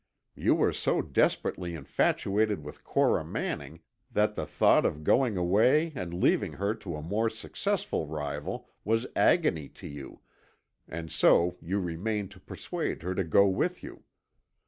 You were so desperately infatuated with Cora Manning that the thought of going away and leaving her to a more successful rival was agony to you, and so you remained to persuade her to go with you.